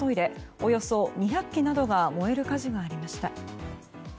およそ２００基などが燃える火事がありました。